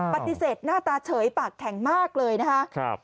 ปฏิเสธหน้าตาเฉยปากแข็งมากเลยนะคะ